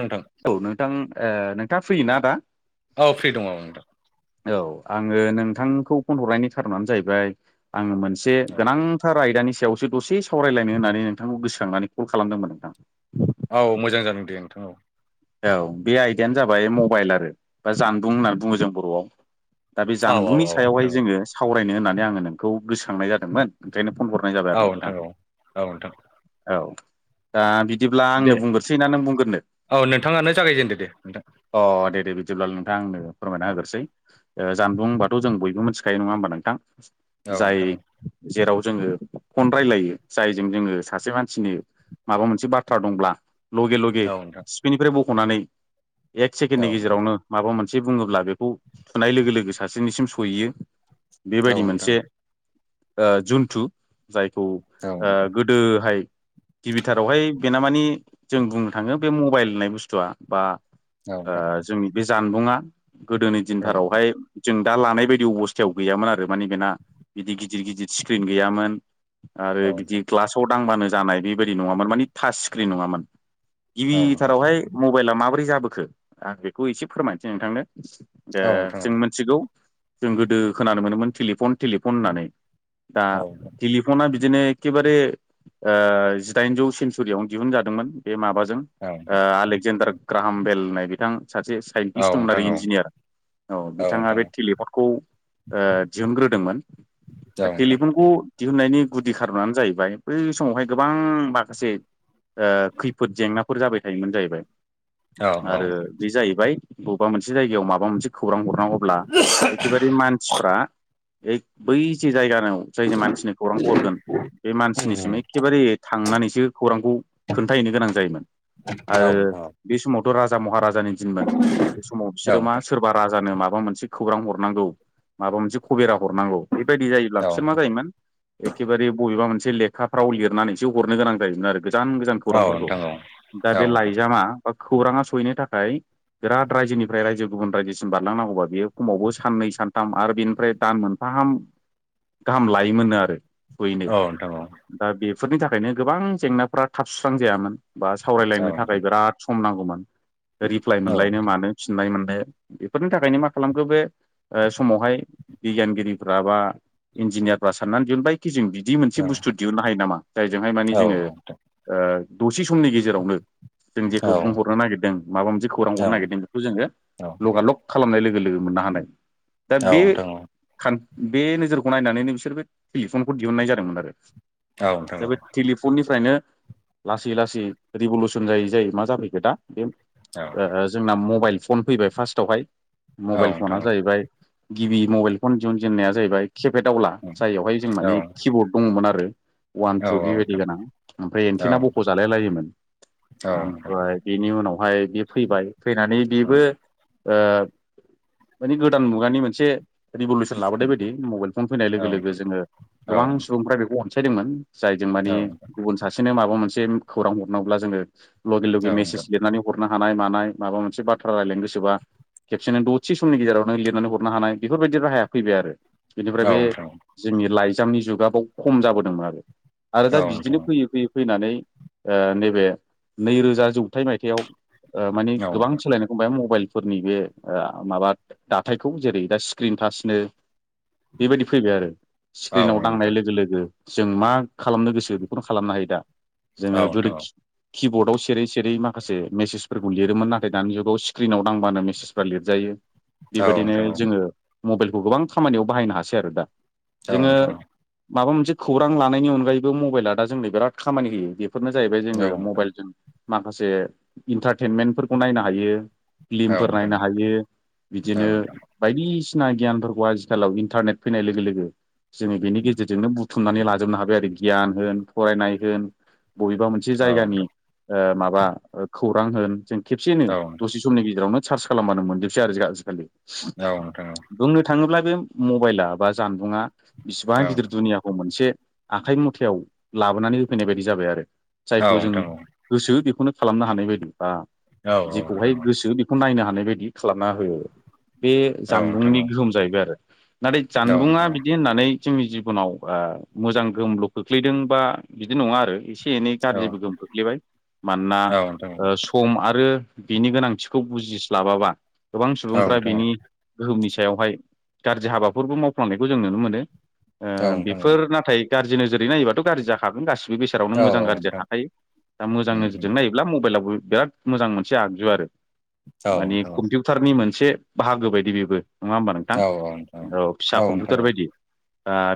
नोंथां औ नोंथां नोंथाङा फैयोना आदा? औ फ्रि दङ बुंदों औ आङो नोंथांखौ फन हरनायनि थारनानो जाहैबाय आङो मोनसे औ गोनांथार रायदानि सायावसो दसे सावरायलायनो होननानै नोंथांखौ गोसोखांनानै कल खालामदोंमोन नोंथां औ मोजां जादों दे नोंथां औ बे आयदायानो जाबाय मबाइल आरो बा जानबुं होननानै बुङो जों बर'आव दा बे औ जानबुंनि औ सायावहाय नोंथां जोङो सावरायनो होननानै आङो नोंखौ गोसोखांनाय जादोंमोन। ओंखायनो फन हरनाय जाबाय औ आरो नोंथां औ औ नोंथां औ दा बिदिब्ला दे आंनो बुंग्रोसै ना नों बुंग्रोननो औ नोंथाङानो जागायजेनदो दे नोंथां दे दे बिदिलाल नोंथाङा आंनो फोरमायना औ होग्रोसै जानबुंबाथ' जों बयबो मिथिखायो नङा होमबा नोंथां औ जाय नोंथां जेराव जोङो फन रायजलायो जायजों जोङो सासे मानसिनि माबा मोनसे बाथ्रा दंब्ला लगे लगे औ नोंथां सिफिनिफ्राय बख'नानै एक औ सेकेण्डनि नोंथां गेजेरावनो माबाम मोनो। सासे बुङोब्ला बेखौ थुनाय लोगो लोगो सासेनिसिम सहैयो औ बेबायदि नोंथां मोनसे। जन्थु जायखौ औ नोंथां गोदोहाय गिबिथारावहाय बेना मानि जों बुंनो थाङो बे मबाइल होननाय बुस्थुआ बा औ नोंथां जोंनि बे जानबुंङा गोदोनि औ नोंथां औ नोंथां औ दिनथारावहाय जों दा लानाय बायदि अबस्थायाव गैयामोन आरो माने बेना बिदि गिदिर गिदिर स्क्रिन गैयामोन। आरो बिदि नोंथां ग्लासाव दांबानो जानाय बेबायदि नङामोन मानिे टाच स्क्रिन नङामोन। औ नोंथां औ नोंथां औ नोंथां औ नोंथां औ नोंथां औ नोंथां औ नोंथां औ नोंथां औ नोंथां औ नोंथां औ नोंथां औ गिबिथारावहाय मबाइला माबोरै जाबोखो आं बेखौ एसे फोरमायसै नोंथांनो। द जों मिथिगौ जों गोदो खोनानो मोनोमोन टेलिफन टेलिफन होननानै। दा टेलिफना। बिदिनो एखेबारे जिदाइनजौ सेन्सुरियावनो दिहुनजादोंमोन बे माबाजों। आलेक्जेडार ग्राहाम बेलनाय बिथां। सासे साइन्टिस्ट दंमोन आरो इन्जिनियार औ बिथाङा बे टलिपनखौ। दिहुनग्रोदोंमोन दा टेलिफनखौ दिहुननायनि गुदि खारनानो जाहैबाय बै समावहाय गोबां माखासे। खैफोद जेंनाफोर जाबाय। थायोमोन जाहैबाय आरो बे जाहैबाय बबेबा मोनसे जायगायाव माबा मोनसे। खौरां हरनांगौब्ला एखेबारे मानसिफ्रा बै जे जायगानिआव जायनि मानसिनि खौरांखौ हरगोन बे मानसिनिसिम एखेबारे थांनानैसो खौरांखौ खोन्थायो। नो गोनां जायोमोन आरो बे समावथ' राजा महाराजानि दिनमोन बे समाव बिसोरो मा सोरबा राजानो माब माबा मोनसे खौरां हरनांगौ माबा मोनसे खबेरा। हनांगौ बेबायदि जायोब्ला औ बिसोर मा जायोमोन एेबे बबेबा मोनसे। मोनसे लेखाफ्राव लिरनानै एसे हरनो गोनां जायोमोन आरो गोजान गोजान औ औ खौरांफोरखौ। दा बे लाइजामा बा खौराङा सहैनो थाखाय। बिराद रायजोनिफ्राय रायजो गुबुन रायजोसिम बारलांनांगौबा बेयो खमावबो साननै सानथाम आरो बेनिफ्राय दान मोनथाम। गाहाम गाहाम लायोमोननो आरो। सुयैनो दा बेफोरनि थाखायनो गोबां जेंनाफ्रा थाब सुस्रां जायामोन बा सावरायलायनो थाखाय बिराद सम नांगौमोन रिप्लाइ मोनलायनो मानो। फिननाय मोननो बेफोरनि थाखायनो मा खालामखो बे। समावहाय बिगियानगिरिफ्रा बा इन्जिनियारफ्रा साननानै दिहुनबाय। खि जों बिदि मोनसे बुस्थु दिहुननो हायो नामा जायजोंहाय मानि जोङो ओ दसे समनि गेजे रावनो जों जेखौ नोंथां बुंहरनो नागिरदों माबा मोनसे खौरां हरनो औ नागिरदों बेखौ जोङो औ लगालग खालामनाय लोगो लो गो मोननो हानाय दा बे नोंथां औ बे नोजोरखौ नायनानैनो बिसोर बे टेलिफनखौ दिहुननाय जादोंमोन आरो। औ नोंथां दा औ बे टेलिफन निफ्रायनो लासै लासै रिभलुसन जायै जाय मा जाफैखो दा बे औ ओ जोंना मबाइल। फन फैबाय फार्स्टआवहाय औ मबाइल नोंथां फना जाहैबाय गिबि मबाइल। फन दिहुनजेनन्नाया जाहैबाय केपे दावला जाययावहाय जों औ मानि नोंथां औ नोंथां उम कि बर्ड दङमोन आरो। अवान औ टु बेबायदि नोंथां गोनां ओमफ्राय औ एन्थेना बख'जालाय लायोमोन। औ नोंथां ओमफ्राय बेनि उनावहाय बे फैबाय फैनानै औ बेबो। ओ मानि गोदान मुगानि मोनसे। रिभलउसन लाबोदों बायदि मबाइल फन फैनाय नोंथां औ नोंथां औ लोगो लोगो नोंथां जोङो गोबां औ सुबुंफ्रा बेखौ अनसायदोंमोन। जायजों मानि गुबुन सासेनो माबा मोनसे खौरां हरनांगौब्ला जोङो। लगे लगे नोंथां मेसेज लिरनानै हरनो हानाय मानाय माबा मोनसे बाथ्रा रायलायनो गोसोबा। खेबसेनो दसे समनि गेजेराव नों लिरनानै हरनो हानाय बेफोरबायदि राहाया फैबाय आरो। बेनिफ्राय औ नोंथां औ बे नोंथां जोंनि लाइजामनि जुगा बाव खम जाबोदोंमोन आरो। आरो दा बिदिनो फैयै फैयै फैनानै। ओ नैबे नैरोजा जौथाइ मायथाइयाव माने औ नोंथां औ नोंथां औ गोबां नोंथां औ नोंथां औ नोंथां औ नोंथां औ नोंथां औ नोंथां औ नोंथां सोलायनायखौ नुबाय मबाइल। फोरनि बे माबा दाथाइखौ जेरै दा स्क्रिन टाचनो बेबायदि फैबाय आरो स्क्रिनाव औ औ दांनाय नोंथां लोगो लोगो जों मा खालामनो गोसो बेखौनो खालामनो हायो दा जोङो गोदो कि किबर्डआव सेरै सेरै माखासे मेसेजफोरखौ लिरोमोन नाथाय दानि जुगाव स्क्रिनाव दांबानो मेसेजफ्रा लिरजायो बेबायदिनो जोङो मबाइलखौ गोबां खामानियाव बाहायनो हासै आरो दा औ जोङो नोंथां औ माबा मोनसे खौरां लानायनि अनगायैबो मबाइला दा जोंनो बिराद खामानि होयो बे फोरनो जाहैबाय जोङो मबाइलजों माखासे इन्टारटेनमेन्टफोरखौ नायनो हायो फिल्मफोर नायनो हायो बिदिनो बायदिसिना सिना गियानफोरखौ आजिखालाव इन्टारनेट फैनाय लोगो लोगो जोङो बेनि गेजेरजोंनो बुथुमनानै लाजोबनो हाबाय आरो गियान होन फरायनाय होन बबेबा मोनसे जायगानि ओ माबा खौरां होन जों खेबसेनो दसे समनि गेजेरावनो सार्च खालामबानो मोनजोबसै आरो आजिखालि बुंनो थाङोब्ला बे मबाइला बा जानबुङा बिसिबां गिदिर दुनियाखौ मोनसे आखाइ मुथायाव लाबोनानै होफैनाय बायदि जाबाय आरो जायखौ जों गोसो बेखौनो खालामनो हानाय बायदि बा जेखौहाय गोसो बेखौ नायनो हानाय बायदि खालामना होयो बे जानबुंनि गोहोम जाहैबाय आरो नाथाय जानबुंङा बिदि होननानै जोंनि जिबनाव ओ मोजां गोहोमल' खोख्लैदों बा बिदि नङा आरो एसे एसे एनै गाज्रिबो गोहोम खोख्लैबाय मानोना सम आरो बिनि गोनांथिखौ बुजिस्लाबाबा गोबां सुबुंफ्रा बेनि गोहोमनि सायाव सायावहाय गाज्रि हाबाफोरबो मावफ्लांनायखौ जों नुनो मोनो। ओ बेफोर नाथाय गाज्रि नोजोर नायोबाथ' गाज्रि जाखागोन गासिबो बेसादावनो मो- जां गाज्रिआ थाखायो दा मोजां उम उम नोजोरजों नायोब्ला मबाइलाबो बिराद मोजां मोनसे आगजु आरो। औ माने नोंथां औ कम्पिउटारनि मोनसे बाहागो बायदि बेबो। नङा होमबा नोंथां औ नोंथां औ फिसा नोंथां कम्पिउटार औ बायदि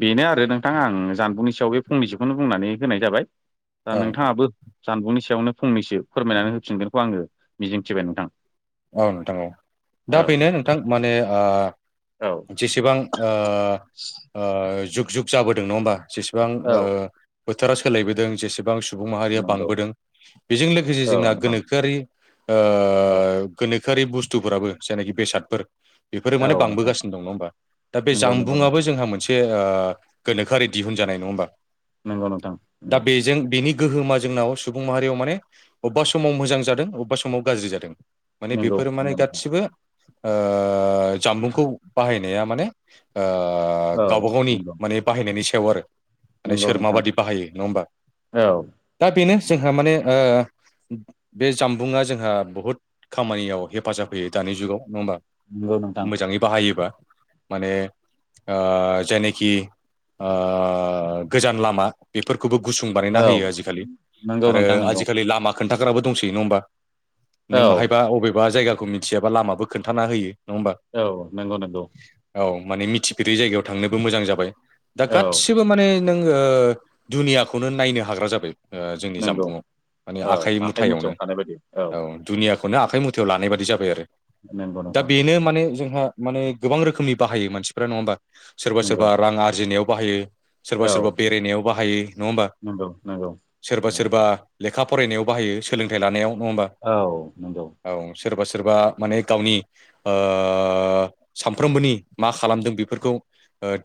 बेनो आरो नोंथां आं जानबुंनि सायाव बे फंनैसोखौनो बुंनानै होनाय जाबाय दा औ नोंथां नोंथाङाबो जानबुंनि सायावनो फंनैसो फोरमायनानै होफिनगोनखौ आङो मिजिंथिबाय नोंथां औ नोंथां औ दा औ बेनो नोंथां माने औ जेसेबां ओ ओ जुग जुग जाबोदों नङा होमबा जेसेबां औ बोथोरा सोलायबोदों जेसेबां सुबुं माहारिया नंगौ बांबोदों बेजों लोगोसे औ जोंना नोंथां गोनोखोआरि औ गोनोखोआरि बुस्थुफोराबो जायनाखि बेसादफोर बेफोरो औ माने नोंथां बांबोगासिनो दं नङा होमबा दा बे नंगौ नंगौ जामबुंङआबो नोंथां जोंहा मोनसे ओ गोनोखोआरि दिहुनजानाय नङा होमबा नंगौ नोंथां दा नंगौ बेजों बेनि गोहोमा जोंनाव सुबुं माहारियाव माने अबेबा समाव मोजां जादों अबेबा समाव गाज्रि जादों माने नंगौ नंगौ बेफोरो माने नंगौ नोंथां गासिबो जामबुंखौ बाहायनाया माने ओ औ गावबा गावनि माने बाहायनायनि सायाव आरो माने नंगौ नंगौ सोर नोंथां माबादि बाहायो नङा होमबा औ दा बेनो जोंहा माने बे जामबुंङा जोंहा बहुद खामानियाव हेफाजाब होयो दानि जुगाव नङा होमबा नंगौ नोंथां मोजाङै बाहायोबा माने ओ जायनोखि ओ गोजान लामा बेफोर खौबो गुसुं बानायना औ होयो आजिखालि नंगौ आरो नोंथां नंगौ आजिखालि लामा खोन्थाग्राबो दंसै नङा होमबा औ नों बाहायबा बबेबा जायगाखौ मिथियाबा लामाबो खोनथाना होयो नङा होमबा औ नंगौ नगौ औ माने मिथिफेरै जायगायाव थांनोबो मोजां जाबाय दा औ गासिबो माने नों दुनियाखौनो नायनो हाग्रा जाबाय। जोंनि नंगौ जामबुंआव माने औ आखाइ मुथायावनो मुथियावनो थानाय बायदि औ नो आखाइ मुथेाव लानाय बाददि जाबाय आरो नंगौ दा नोंथां बेनो माने जोंहा माने। गोबां रोखोमनि बाहायो मानसिफ्रा नङा हबा सोरबा नंगौ सोरबा रां आरजिनायाव बाहायो। सोरबा औ सोरबा बेरायनायाव बाहायो नङा होमबा नंगौ नंगौ सोरबा नंगौ सोरबा नोंथां लेखा। फरायनायाव बाहायो सोलोंथाइ लानायाव। नङा होमबा औ नंगौ। औ सोरबा सोरबा माने गावनि सानफ्रोमबोनि मा खालामदों बेफोरखौ।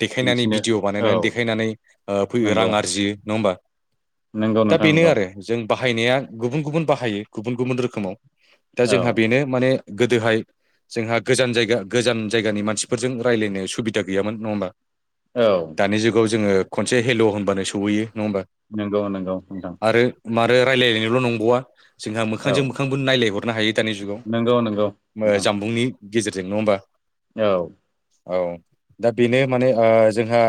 देखायनानै दिन्थिनो भिडिअ औ बानायनानै देखायनानै बो रां नंगौ आरजियो नङाहोमबा? नंगौ दा नोंथां बेनो नंगौ आरो जों बाहायनाया गुबुन गुबुन बाहायो गुबुन गुबुन रोखोमाव दा औ जोंहा बेनो माने गोदोहाय जोंहा गोजान जायगा गोजान जायगानि मानसिफोरजों। रायज्लायनो सुबिदा गैयामोन नङा होमबा औ दानि जुगाव जोङो खनसे हेल' होनबानो सहैयो नंगौ नंगौ नोंथां। मारो रायजलायलायनायल' नंबावा जोंहा औ मोखांजों मोखांबो रनायलायहरनो हायो। दानि नंगौ नंगौ जुगाव नोंथां जामबुंनि गेजेरजों नङा होमबा। औ औ दा बेनो माने जोंहा।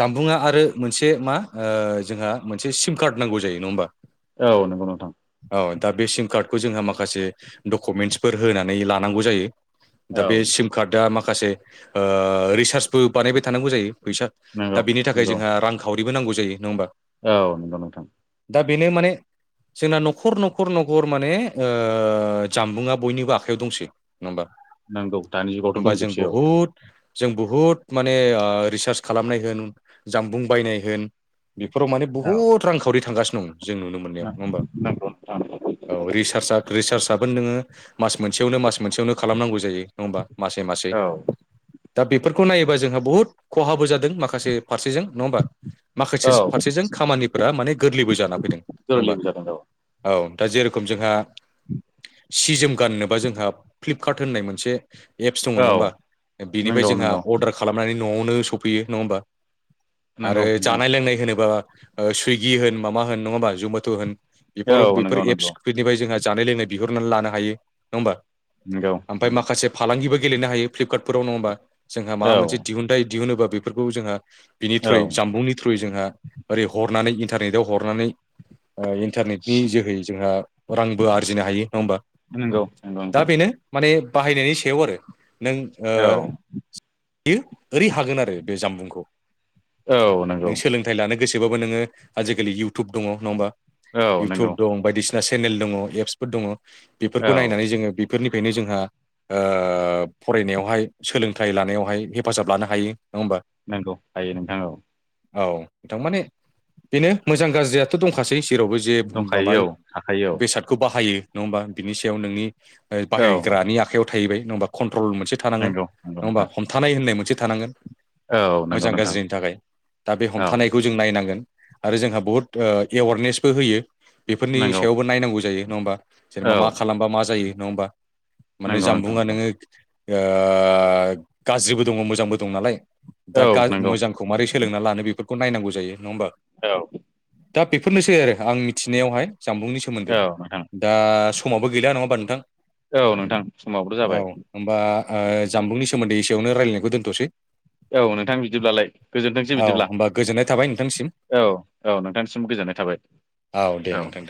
जामबुंङा आरो मोनसे मा जोंहा मोनसे सिम कार्ड नांगौ जायो नङा होमबा। औ नंगौ नोंथां। औ दा बे सिम कार्डखौ जोंहा माखासे डकुमेन्टसफोर होनानै लानांगौ जायो। दा औ बे सिम कार्डआ माखासे रिसारसबो बानायबाय थानांगौ जायो। फैसा नंगौ दा बिनि थाखाय नंगौ जोंहा रांखावरिबो नांगौ जायो नङा होमबा। औ नंगौ नोंथां। दा बेनो माने जोंना न'खर न'खर नखर। खर माने ओ जामबुंआ बयनिबो आखायाव दंसै नङा होमबा नंगौ दानि जुगावथ' होमबा जों दंजोबसै औ बहुद जों बुहुद माने ओ रिसार्च खालामनाय होन जामबुं बायनाय होन। बेफोराव माने औ बहुद रांखावरि थांगासिनो दं जों नुनो मोननायाव नङा होमबा। नंगौ नोंथां औ रिसार्ज रिसार्जाबबो नोङो मास मोनसेयावनो मास मोनसेयावनो खालामनांगौ जायो नङा होमबा मासै मासै। [inaudible] दा बेफोरखौ नायोबा जोंहा बुहुद ख'हाबो जादों माखासे फारसेजों नङा होमबा? माखासे औ फारसेजों खामानिफोरा माने गोरलैबो जाना फैदों नङा होमबा गोरलैबो जादों औ। दा जे रोखोम जोंहा। [inaudible] सि जोम गाननोबा जोंहा फ्लिपकार्ट होननाय मोनसे एप्स दङ औ औ नङा होमबा बिनिफ्राय नंगौ जोंहा नंगौ अर्डार खालामनानै न'यावनो सफैयो नङा होमबा। आरो नंगौ नोंथां जानाय लोंनाय होनोबा सुइगि होन माबा होन नङा होनोमा जमेट' होन। बेफोर औ बेफोर नंगौ नंगौ एप्सफोरनिफ्राय जोंहा जानाय लोंनाय बिहरनानै लानो हायो नङा होमबा? नंगौ ओमफ्राय नंगौ माखासे फालांगिबो गेलेनो हायो फ्लिपकार्टफोराव नङा होमबा? जोंहा माबा मोनसे औ दिहुनथाइ दिहुुनोबा बेफोरखौ जोंहा। बिनि औ थ्रुयै जामबुंनि थ्रुयै जोंहा ओरै हरनानै इन्टारनेटाव हरनानै। ओ इन्टारनेटनि जोहै जोंहा रांबो आरजिनो हायो नङा होमबा नंगौ नंगौ दा नोंथां बेनो माने। बाहायनायनि सायाव आरो नों औ ओ ओरै हागोन आरो आरो बे जामबुंखौ औ नंगौ। नों सोलोंथाइ लानो गोसोबाबो नोङो आजिखालि इउटुब दङ नङा होमबा। औ इउटुब नंगौ। दं बायदिसिना सेनेल दङ एप्सफोर दङ औ बेफोरखौ नायनानै जोङो बेफोरनिफ्रायनो जोंहा। ओ फरायनायावहाय सोलोंथाइ लानायावहाय हेफाजाब लानो हायो नङा होमबा। नंगौ हायो नोंथां औ। औ थारमाने बेनो मोजां गाज्रियाथ' दंखासै जेरावबो जे दंखायो माबा औ थाखायो औ बेसादखौ बाहायो नङा हानबा बिनि सायाव नोंनि औ बाहायग्रानि आखायाव थाहैबाय नङा खन ट्रल मोनसे थानांगोन नंगौ नंगौ नङा होमबा नोंथां हमथानाय होननाय मोनसे थानांगोन औ नंगौ मोजां नोंथां गाज्रिनि थाखाय दा बे औ हमथानायखौ जों नायनांगोन आरो जोंहा बुहुत एवारनेसबो होयो बेफोरनि नंगौ सायावबो नायनांगौ जायो नङा होमबा जेनेबा औ मा खालामबा मा जायो नङा होमबा माने नंगौ नोंथां जामबुंङा नंगौ नोङो ओ गाज्रिबो दङ मोजांबो दं नालाय दा औ नंगौ मोजांखौ मारै सोलोंना लानो बेफोरखौ नायनांगौ जायो नङा होमबा औ दा बेफोरनोसै आरो आं मिथिनायावहाय जामबुंनि सोमोनदै औ नोंथां दा समाबो गैला नङा होनबा नोंथां औ नोंथां समावथ' औ जाबाय होमबा जामबुंनि सोमोनदै एसेयावनो रायलायनायखौ दोनथ'नोसै औ नोंथां बिदिब्लालाय गोजोनथोंसै औ बिदिब्ला होमबा गोजोननाय थाबाय नोंथांसिम औ औ नोंथांनिसिम गोजोननाय थाबाय दे औ नोंथां दे